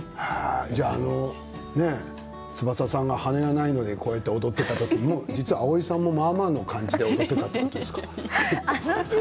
じゃあ翼さんが羽根がないで、踊っていた時に蒼井さんもまあまあな感じで踊っていたんですか？